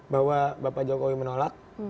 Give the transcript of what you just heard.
bahwa bapak jokowi menolak